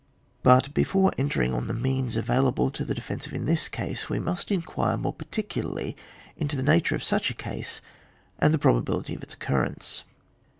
But before entering on the means available to the defensive in this case, we must inquire more particidarly into the nature of such a case, and the probability of its occurrence.